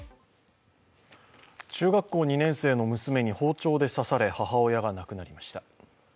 中学校２年生の娘に包丁で刺され母親が亡くなりました。